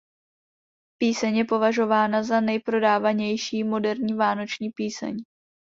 Píseň je považována za nejprodávanější moderní vánoční píseň.